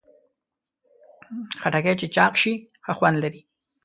خټکی چې چاق شي، ښه خوند لري.